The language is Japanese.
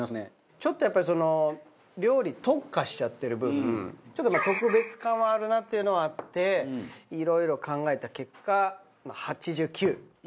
ちょっとやっぱり料理特化しちゃってる分ちょっと特別感はあるなっていうのはあっていろいろ考えた結果８９。